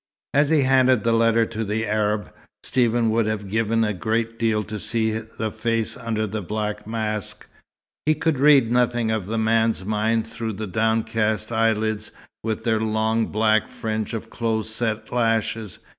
As he handed the letter to the Arab, Stephen would have given a great deal to see the face under the black mask. He could read nothing of the man's mind through the downcast eyelids, with their long black fringe of close set lashes.